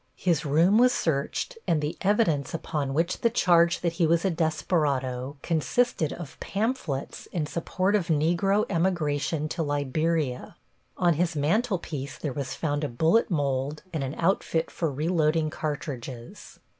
His room was searched, and the evidence upon which the charge that he was a desperado consisted of pamphlets in support of Negro emigration to Liberia. On his mantel piece there was found a bullet mold and an outfit for reloading cartridges.